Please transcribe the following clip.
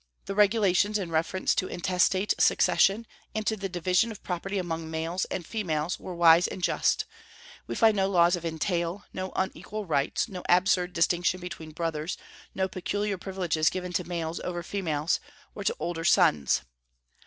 The regulations in reference to intestate succession, and to the division of property among males and females, were wise and just; we find no laws of entail, no unequal rights, no absurd distinction between brothers, no peculiar privileges given to males over females, or to older sons.